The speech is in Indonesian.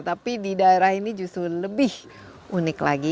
tapi di daerah ini justru lebih unik lagi